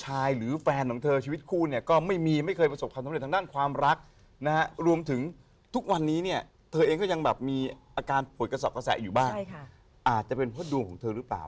อาจจะเป็นเพราะดวงของเธอหรือเปล่า